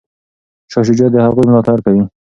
شاه شجاع د هغوی ملاتړ کوي.